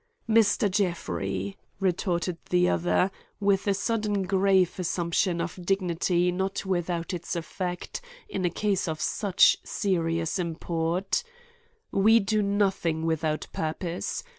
"Mr. Jeffrey," retorted the other, with a sudden grave assumption of dignity not without its effect in a case of such serious import, "we do nothing without purpose.